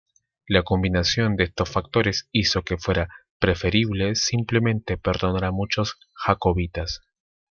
La combinación de estos factores hizo que fuera preferible simplemente perdonar a muchos jacobitas.